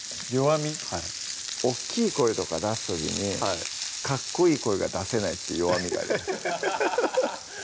大っきい声とか出す時にかっこいい声が出せないって弱みがありますハハハ